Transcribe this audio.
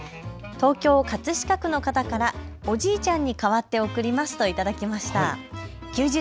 東京葛飾区の方からおじいちゃんに代わって送りますと頂きました。